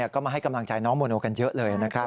ก็มาให้กำลังใจน้องโมโนกันเยอะเลยนะครับ